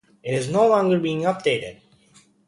It is no longer being updated.